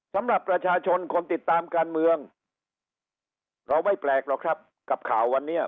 สำหรับประชาชนคนติดตามการเมืองเราไม่แปลกหรอกครับกับข่าววันนี้